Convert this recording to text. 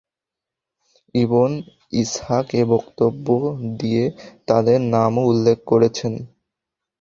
Ibn Ishaq এ বক্তব্য দিয়ে তাদের নামও উল্লেখ করেছেন।